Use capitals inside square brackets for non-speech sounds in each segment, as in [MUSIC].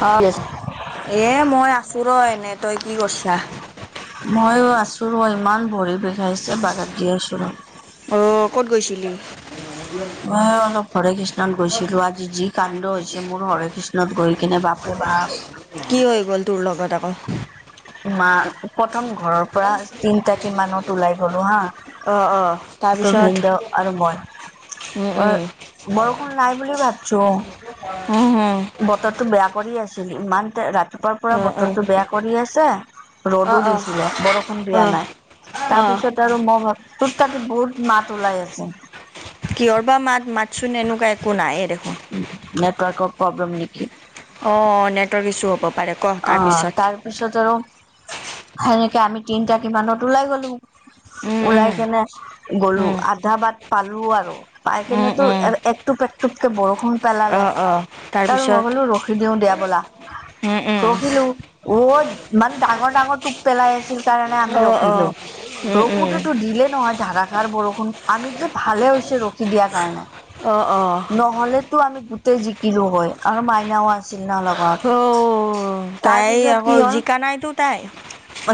ময়ো এ মই আছো ৰ এনে। তই কি কৰিছা? ময়ো আছোঁ ৰ ইমান ভৰি বিষাইছে বাগাত দিয় আছো ৰ। অ ক'ত গৈছিলি? মই অলপ। হৰে কৃষ্ণত গৈছিলো আজি যি কাণ্ড হৈছে মোৰো হৰে কৃষ্ণত গৈ কিনে বাপৰে বাপ। কি হৈ গ'ল তোৰ লগত আক? মা প্ৰথম ঘৰৰ পৰা তিনটাকিমানত ওলাই গলোঁ হা। অ অ তোৰ তাৰপিছত ভিনদেউ আৰু মই উম অ উম বৰষুণ নাই বুলি ভাবিছোঁ। উমহু। বতৰটো বেয়া কৰি আছিল ইমানতে ৰাতিপুৱাৰ পৰা অ অ বতৰটো বেয়া কৰি আছে। অ ৰ'দো দিছিলে বৰষুণ অ', দিয়া অ', নাই। অ', তাপিছত আৰু মই ভাব তোৰ তাতে বহুত মাত ওলাই আছে। কিহৰ বা মাত মাতচোন এনেকুৱা একো নাইয়ে দেখোন। নেটৱৰ্কৰ প্ৰব্লেম নেকি? অ নেটৱৰ্ক ইছ্যু হ'ব পাৰে। ক অ তাৰপিছত। তাৰপিছত আৰু সেনেকে আমি তিনটা কিমানত ওলাই গলো। উম উম ওলাই কেনে গলো উম আধা বাট পালো আৰু। পাই উম কেনে তো উম, একটুপ একটুপকে বৰষুণ অ পেলালে। অ তাৰ মই তাৰপিছত ক'লো ৰখি দিও দিয়া বলা। উম উম ৰখিলো ৱত ইমান ডাঙৰ ডাঙৰ টোপ পেলাই আছিল কাৰণে অ আমি অ ৰখিলো। উম উম ৰখোতেতো দিলেই নহয় ধাৰাষাৰ বৰষুণ, আমি যে ভালে হৈছে ৰখি দিয়াৰ কাৰণে। অ। অ নহ'লেতো আমি গোটেই জিকিলো হয় আৰু মাইনাও আছিল না লগত। তাৰ এই পিছত কি আকৌ হ'ল জিকা নাইতো তাই?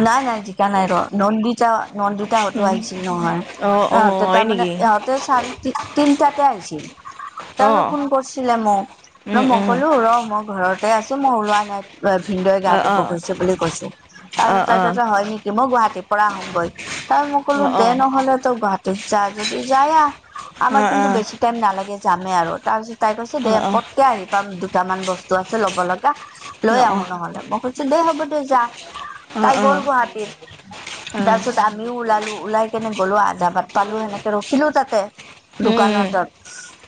নাই নাই জিকা নাই ৰ নন্দি- ছা নন্দিতাহঁতো উম আহিছিল নহয় অ', অ', ইহঁতে হয় তাৰ মানে নেকি? ইহঁত চাৰে তিনটাতে আহিছিল। অ', তাৰপিছত ফোন কৰিছিলে মোক ৰ উম, মই উম, কলো ৰ মই ঘৰতে আছো মই ওলোৱা নাই। ভিনদেউ গা অ', ধুব অ', গৈছে বুলি কৈছো অ', অ', অ', অ', অ', তাৰপাছত হয় নেকি। মই গুৱাহাটীৰ পৰা আহোগৈ তাৰ মই অ', ক'লো দে নহ'লে তই গুৱাহাটীত যা যদি যাই আহ। আমাৰ অ', অ', অ', কিন্তু বেছি টাইম নালাগে যামে আৰু তাৰপিছত তাই কৈছে দে অ', পত- তে আহি পাম দুটামান বস্তু আছে ল'ব লগা লৈ আহো অ', নহলে মই খুজিছো দেই হ'ব দে যা। তাই অ', উম, গ'ল গুৱাহাটীত। তাৰ পিছত আমিও ওলালো ওলাই কেনে গ'লো আধা বাট পালো সেনেকে ৰখিলো তাতে। উম, দোকান তাত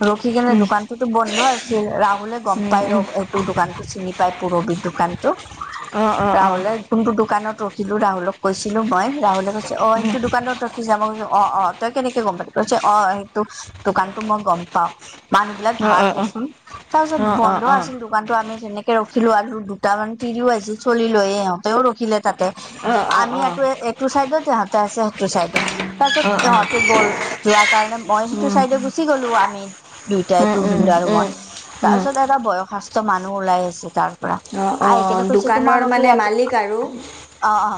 ৰখি কেনে উম, দোকানতোতো বন্ধ আছিল ৰাহুলে গম উম, পাই ৰ উম, এইটো দোকানতো চিনি পাই পুৰবি দোকানটো অ', অ', অ', অ', ৰাহুলে কোনটো দোকানত ৰখিলো ৰাহুলক কৈছিলো মই ৰাহুলে কৈছো ঐ ত দোকানত ৰখি যাম মই কৈছো অ তই কেনেকে গম পালি কৈছে অ সেইটো দোকানতো মই গম পাওঁ। মানুহ বিলাক অ', অ', অ', অ', অ', অ', অ', ভাল দেচোন তাৰপিছত বন্ধ আছিল দোকানতো আমি তেনেকে ৰখি চিলো আৰু দুটামান তিৰিও আহিছিল চলি লৈ সিহঁতেও ৰখিলে তাতে অ', অ', আমি অ', এইটো এইটো চাইডত তহঁতে আছে সেইটো চাইডত তাৰ পিছত উম, উম, ইহঁতে গ'ল যোৱা কাৰণে মই সেইটো চাইডে গুচি গলো আমি দুইটাই তো উম, ভন্দু আৰু মই উম, উম, তাৰপিছত এটা বয়সাস্ত মানুহ ওলাই আছে তাৰ পৰা অ', আহি অ', কেনে কৈছে দোকানৰ তোমালোকে মানে ইয়াতে মালিক আৰু অ অ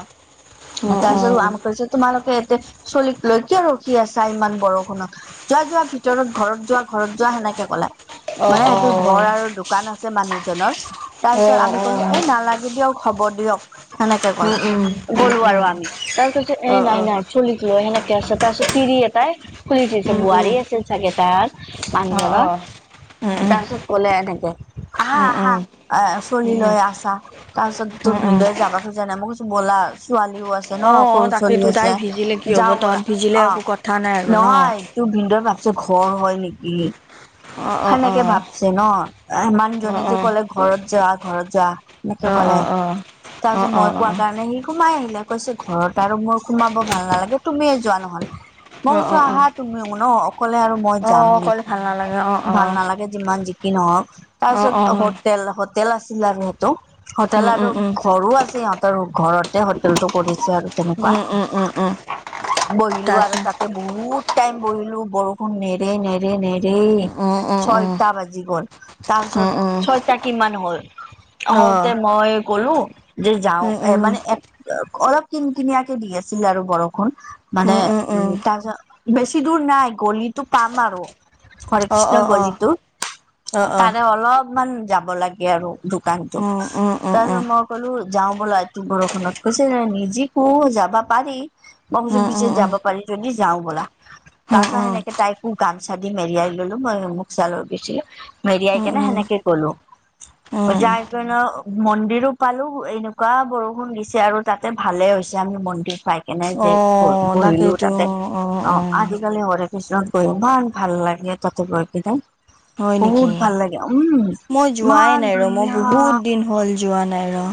অ', অ', তাৰপিছত আমাক কৈছে তোমালোকে ইয়াতে ছোৱালীক লৈ কিয় ৰখি আছা ইমান বৰষুণত যোৱা যোৱাৰ ভিতৰত ঘৰত যোৱা ঘৰত যোৱা সেনেকে কলাই অ', মানে অ', সেইটো ঘৰ আৰু দো দোকান আছে মানুহজনৰ তাৰপিছত অ', আমি অ', কলো এই নালাগে দিয়ক হ'ব দিয়ক সেনেকে উম, কলো, উম, উম, গ'লো উম, আৰু আমি তাৰপিছত এ অ', নাই অ', নাই চলিক লৈ সেনেকে আছে তাৰপিছত তিৰি এটাই খুলি দিছে উম, উম, বোৱাৰী আছিল চাগে তাৰ অ মানুহজনৰ অ উম, উম, তাৰপিছত কলে এনেকে আহা উম উম আহা এ ছোৱালি উম লৈ আছা তাৰ পিছত উম তোৰ উম ভিনদেৱে যাব খোজা নাই মই কৈছো বলা ছোৱালীও আছ ত ন অ অ সৰু চলি তাকেতো তাই আছে ভিজিলে কি হ'ব যাওঁ তহঁত বলা ভিজিলে অ একো কথা নাই আৰু ন নহয় টোৰ ভিনিদেউ ভাবিছে ঘৰ হয় নেকি অ অ অ সেনেকে ভাবছে ন অ অ মানুহজনে যে ক'লে ঘৰত যোৱা ঘৰত যোৱা এনেকে অ অ অ কলে অ অ অ তাৰপিছত মই কোৱা কাৰণে সি সোমাই আহিলে কৈছে ঘৰত আৰু মোৰ সোমাব ভাল নালাগে তুমিয়ে যোৱা নহল মই অ কৈছো অ অ আহা তুমিও ন অকলে আৰু মই অ যাম অকলে নেকি ভাল নালাগে অ অ ভাল নালাগে যিমান যিকি নহওক অ তাৰপিছত অ হোটেল হোটেল আছিল আৰু সেইটো হোটেল উম উম আৰু উম ঘৰো আছে সিহঁতৰ ঘৰতে হোটেলটো কৰিছে আৰু তেনেকুৱা উম উম উম উম বহিলো আৰু তাৰপিছত তাতে বহুত টাইম বহিলো বৰষুণ নেৰে নেৰে নেৰেই উম উম ছয় উম তা বাজি গল তাৰপিছত উম উম ছয়টা কিমান হ'ল অ অহওঁতে মই গ'লো যে যাওঁ উম এ উম মানে অলপ কিন কিনিয়াকে দি আছিল আৰু বৰষুণ মানে উম উম উ উম তাৰপিছত বেছি দূৰ নাই গলিতো পাম আৰু হৰে অ কৃষ্ণ অ অ গলিতো অ অ তাৰে অলপ অকমান যাব লাগে আৰু দোকানটোত উম উম তাৰ উম পিছত মই কলো যাওঁ বলা এইতো বৰষুত কৈছে নিজিকো যাবা পাৰি মই কৈছোঁ উম উম উম বুইছে যাব পাৰি যদি যাওঁ বলা তাচাহ উম উম সেনেকে তাইকো গামচা দি মেৰিয়াই ললো মইয়ো মুখ চালৈ গৈছিলো মেৰিয়াই উম উম কেনে উম সেনেকে গলো উম যাৰ কেণে মন্দিৰো পালো এনেকুৱা বৰষুণ দিছে আৰু তাতে ভালে হৈছে আমি মন্দিৰ পাই কেনে যে বহিলো তাতে অ আজিকালি হৰে কৃষ্ণত বহিওঙ ইমান ভাল লাগে তাতে গৈ পাই হয় নেকি? বহুত ভাল লাগে উম মই যোৱাই ইমান নাই ৰ মই ধুনীয়া বহুত দিন হ'ল যোৱা নাই ৰ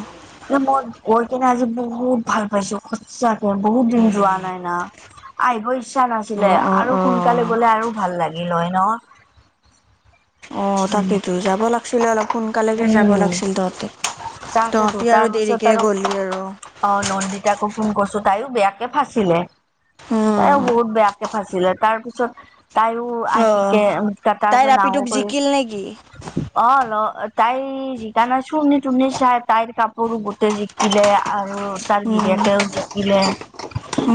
মই গৈ কিনে আজি বহুত ভাল পাইছো সঁচাকে বহুত দিন যোৱা নাই না [UNINTELLIGIBLE] আইবৰ ইচ্ছা নাছিলে অ', অ', আৰু সোনকালে অ', গলে আৰু ভাল লাগিল হয় ন অ তাকেইতো যাব লা ছিলে অলপ সোনকালেকে যাব উম লাগিছিল তহঁতে তাকেতো তহঁতি আৰু তাৰপিছত দেৰিকে আৰু গ'লি আৰু অ নন্দিতাকো ফোন কৰিছো তাইও বেয়াকে ফাঁচিলে তাইও উম, বহুত বেয়া ফাচিলে তাৰ পিছত তাইও অ'। আহিকে উ তাই তাৰপাছত নাহো ৰাপিটোক কৈ জিকিল নেকি? অ ল তাই জিকা না চুনি তুনি চাই তাইৰ কাপোৰো গোটেই জিকিলে আৰু তাৰ উম, গিৰিয়েকেও তিতিলে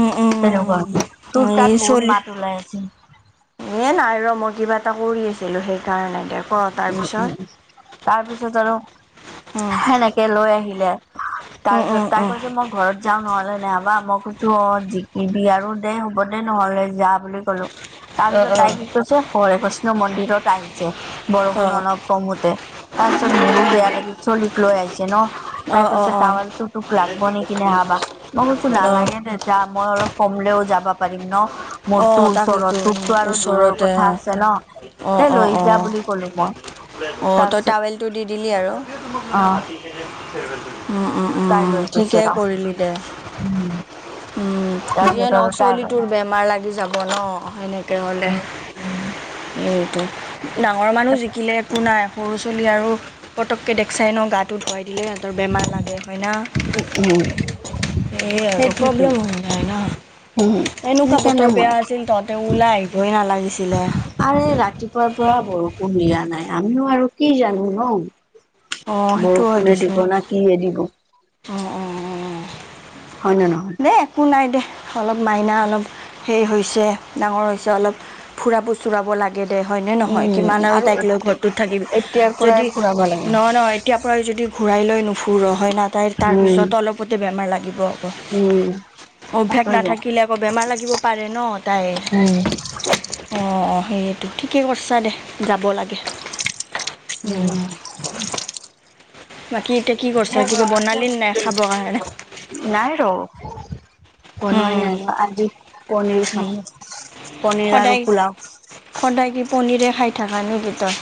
উম, উম। তোৰ এই তাত বহুত চলি মাত ওলাই আছে এ নাই ৰ মই কিবা এটা কৰি আছিলো সেইকাৰণে দে ক উম তাৰপিছত। উম তাৰপিছত আৰু উম, সেনেকে লৈ আহিলে উম, তাৰপিছত উম, তাই উম, কৈছে মোক ঘৰত যাওঁ নহলে নেহবা মই কেছো অ জিকিবি আৰু দেই হ'ব দেই নহলে যা বুলি কলো অ', তাৰপিছত অ', তাই কি কৈছে হৰে কৃষ্ণ মন্দিৰত আহিছে বৰষুণ অ', অলপ কমোতে তাৰপিছত মোৰো বেয়া লাগিল চলি লৈ আহিছে ন তাই অ', অ', কৈছে অ'। টাৱালতো তোক লাগব নেকি নেহা বা মই কৈছো অ', নালাগে দে যা মই অলপ কমলেও যাব পাৰিম ন মোৰতো অ', ওচৰত তাকেতো তোকতো আৰু দূৰৰ ওচৰতে কথা আছে ন অ', এ অ', লৈ যা অ', বুলি ক'লো মই অ তই তাৰপিছত টাৱেলটো দি দিলি আৰু অ' উম উম তাই লৈ উঅ গৈছে ঠিকেই ৰ। কৰিলি দে উম যিয়ে তাৰপিছত আৰু নহওক তাই চলি লগত। তোৰ বেমাৰ লা গি যাব ন সেনেকে হ'লে এইটো ডাঙৰ মানুহ জিকিলে একো নাই সৰু ছোৱালী আৰু পতককে দেখিছাই ন গা টো ধুৱাই দিলে সিহঁতৰ বেমাৰ লাগে হয় না। উম, সেয়ে আৰু সেইটোৱেতো প্ৰব্লেম হৈ যায় নাই উম, ন এনেকোৱা সেইকাৰণে বতৰ মই বেয়া আছিল তহঁতে ওলাই আহিবই নালাগিছিলে আৰে ৰাতিপুৱাৰ পৰা বৰষুণ দিয়া নাই আমিও আৰু কি জানো ন অ', সেইটো হয় বৰষুণে দেচোন দিব না কিয়ে দিব অ অ অ হয় না নহয় দে একো নাই দে অলপ মাইনা অলপ হেই হৈছে ডাঙৰ হৈছে অলপ ফুৰাব চুৰাব লাগে দে হয়নে নহয় কিমান আৰু তাইক লৈ ঘৰটোত থাকিবি এতিয়াৰ পৰাই যদি ফুৰাব লাগে। নহয় নহয় এতিয়াৰ পৰাই যদি ঘূৰাই লৈ নুফুৰ হয় না তাইৰ উম, তাৰপিছত অলপতে বেমাৰ লাগিব আকৌ উম অভ্যাস তাকেইতো। নাথাকিলে আকৌ বেমাৰ লাগিব পাৰে ন উম, তাইৰ অ অ সেয়েটো ঠিকে কৰিছা দে যাব লাগে উম বাকী এতিয়া কি কৰিছা কিবা বনালি নাই খাবৰ কাৰণে নাই ৰ বনোৱাই নাই ৰ আজি পনীৰ খাম পনীৰ আৰু সদায় পোলাও সদায় কি পনীৰে খাই থাকা নে কি তই?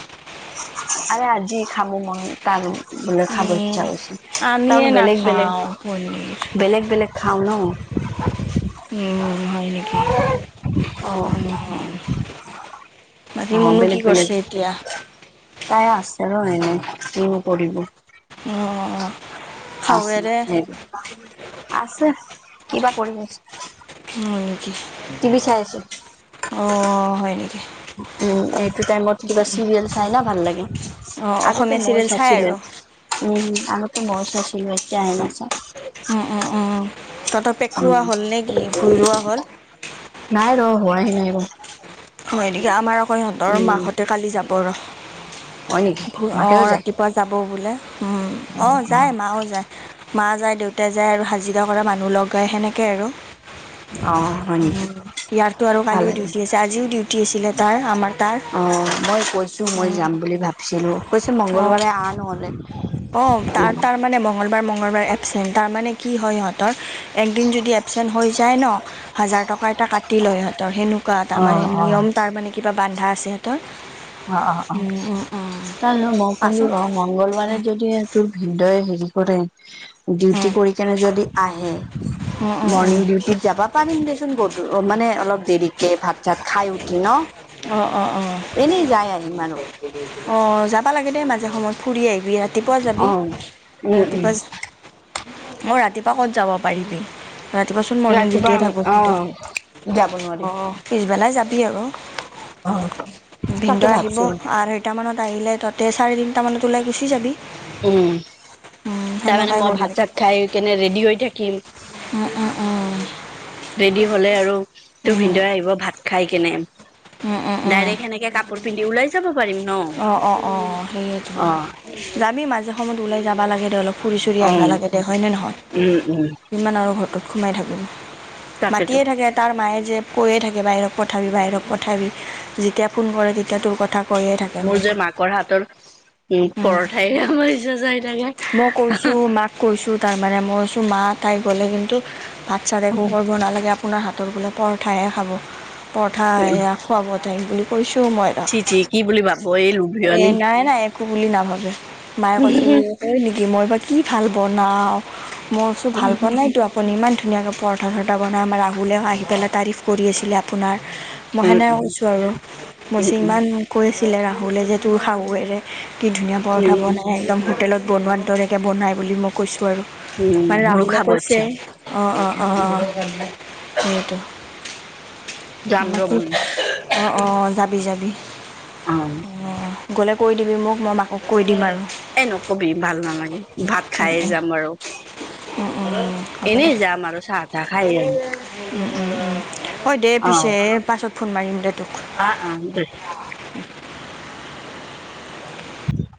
আৰে আজি খাব মন তাৰ বোলে খাবৰ উম, ইচ্ছা হৈছে আমিয়ে তাৰমানে বেলেগ বেলেগ নাখাওঁ পনীৰ। বেলেগ বেলেগ খাও ন উম হয় নেকি অ', উম বাকি অ', মুনু কি বেলেগ বেলেগ কৰিছে এতিয়া? তাই আছে ৰ এনেই কিনো কৰিব অ আছে খাৱেৰে আছে কিবা কৰি আছে হয় নেকি টি ভি চাই আছে। অ হয় নেকি উম এইটো টাইমত কিবা চিৰিয়েল চাই ন ভাল লাগে অ', আগতে অসমীয়া মইয়ো চিৰিয়েল চাই চাইছিলো আৰু। উম আগতে মইয়ো চাইছিলো এতিয়াহে নাচাও। উম উম উম তহঁতৰ উম, পেকৰুৱা হ'ল নে কি ভূই ৰোৱা হ'ল? নাই ৰ হোৱাই নাই ৰ হয় নেকি আমাৰ আকৌ ইহঁতৰ উম, মাহঁতে কালি যাব ৰ হয় নেকি অ মাকেও যায় ৰাতি পোৱা যাব বোলে, উম অঁ যায় মাও যায়। মা যায়, দেউতা যায় আৰু হাজিৰা কৰা মানুহ লগায় সেনেকে আৰু। অ', হয় নেকি উম ইয়াততো আৰু ভাল কালিও লাগে ডিউটি আছে আজি ডিউটি আছিলে তাৰ আমাৰ তাৰ উম। ছিলোঁ, কৈছে মংগলবাৰে আঁহ নহ'লে। অঁ তাৰ অ', তাৰমানে মঙলবাৰ - মঙলবাৰ এপচেণ্ট তাৰমানে কি হয় সিহঁতৰ একদিন যদি এবচেণ্ট হৈ যায় ন হাজাৰ টকা এটা কাটি লয় সিহঁতৰ সেনেকুৱা এটা মানে অ', অ', নিয়ম তাৰ মানে কিবা বান্ধা আছে সিহঁতৰ? অ অ অ, উম, উম, উম, তললে মই কলো পাছত ৰ মংগলবাৰে যদি এয়া তোৰ ভিনদই হেৰি কৰে ডিউটি উম, কৰি কেনে যদি আহে, উম, উম, উম, মৰ্ণিং ডিও দিঠ যাবা পাৰিম দেচোন, গধ মানে অলপ দেৰিকে ভাত চাত খাই উঠি ন? অ অ অ। এনেই যায় আহিম আৰু। অঁ যাবা লাগে দেই মাজে সময়ত ফুৰি আহিবি ৰাতিপুৱা যাবি, অ উম উম ৰাতিপুৱা য মই ৰাতিপুৱা ক'ত যাব পাৰিবি? ৰাতিপুৱাচোন মৰ্ণিং ৰাতিপুৱা ডিউটিয়ে থাকো অ কিন্তু যাব নোৱাৰি অ পিছবেলাই যাবি আৰু। অ। তাকে ভিনদেও আহিব, ভাবছো আঢ়ৈটা মানত আহিলে ততে চাৰে তিনটা মানত ওলাই গুচি যাবি। উম, উম, তাৰমানে সেনেকুৱাই মই ভাত কৰিবি - চাত খাই কেনে ৰেডি হৈ থাকিম। উম উম উম। ৰেডি হ'লে আৰু তোৰ ভিনদৰে আহিব ভাত খাই কেনে। ডাইৰেক্ট সেনেকে কাপোৰ পিন্ধি ওলাই যাব পাৰি ন? অঁ অঁ অঁঁ সেইয়েতো, অ যাবি মাজে সময়ত ওলাই যাবা লাগে ধৰি লক ফুৰি - চুৰি আহিবা উম লাগে দে হয়নে নহয়? উম উম যিমান আৰু ঘৰটোত সোমাই থাকিম? তাকেতো মাটিয়ে থাকে। তাৰ মায়ে যে কৈয়ে থাকে বাহিৰক পঠাবি বাহিৰক পঠাবি যেতিয়া ফোন কৰে তেতিয়া তোৰ কথা কৰিয়ে থাকে মোৰ মো যে মাকৰ হাতৰ, উম পৰঠাই আছে যাই থাকে। মই কৈছোঁ মাক কৈছোঁ তাৰমানে মই কৈছোঁ মা তাই গ'লে কিন্তু ভাত - চাত একো কৰিব নালাগে আপোনাৰ হাতৰ বোলে পৰঠাহে খাব, পৰঠা এইয়া খোৱা - বোৱা টাইম কৈছোঁ মই। তাক চি - চি কি বুলি ভাব এ এ লুভিয়নি নাই নাই একো বুলি নাভাবে, মায়ে কয়ছে এই কয় নেকি মই এইবাৰ কি ভাল বনাওঁ মই ওচো উম ভাল পোৱা নাইতো আ আপুনি ইমান ধুনীয়াকৈ পৰঠা - চৰঠা বনায় আমাৰ আহুলও আহি পেলাই তাৰিফ কৰি আছিলে আপোনাৰ। মই উম সেনে কৈছোঁ আৰু উম মইছে ইমান কৈ আছিলে ৰাহুলে যে তোৰ শাহুৱেৰে কি ধুনীয়া পৰঠা উম বনাই একদম হোটেলত বনুৱাৰ দৰেকে বনাই বুলি মই কৈছো আৰু উম মানে মোৰো ৰাহুলে খাব কৈছে ইচ্ছা অ অ অ অ সেইটো। যাম ৰ মানু্হ মই অ অ যাবি যাবি অ। অ গ'লে কৈ দিবি মোক মই মাকক কৈ দিম আৰু। এ নকবি ভাল নালাগে, ভাত খাইয়ে যাম আৰু। হ'ব এনেই যাম আৰু চাহ - তাহ খাই আহিম। হয় দে পিছে পাছত ফোন মাৰিম দে তোক। আ আ দেই। উম [INAUDIBLE]